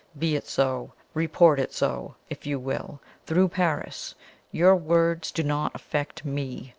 Be it so. Report it so, if you will, through Paris; your words do not affect me.